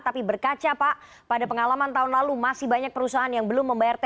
tapi berkaca pak pada pengalaman tahun lalu masih banyak perusahaan yang belum membayar thr